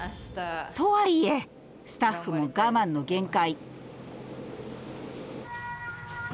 とはいえスタッフも我慢の限界。